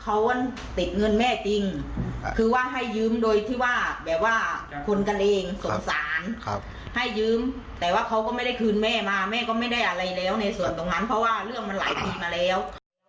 เพราะว่าเรื่องมันหลายทีมาแล้ว